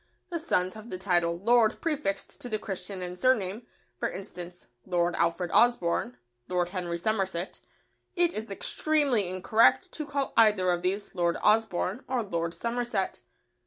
The sons have the title "Lord" prefixed to the Christian and surname: for instance, "Lord Alfred Osborne," "Lord Henry Somerset." It is extremely incorrect to call either of these "Lord Osborne" or "Lord Somerset."